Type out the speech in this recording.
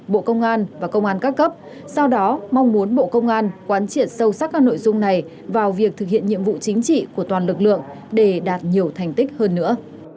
bộ công an và công an các cấp sau đó mong muốn bộ công an quán triệt sâu sắc các nội dung này vào việc thực hiện nhiệm vụ chính trị của toàn lực lượng để đạt nhiều thành tích hơn nữa